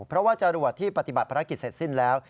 เพราะว่าจรวดที่ปฏิบัติภารกิจเสร็จสิ้นแล้ว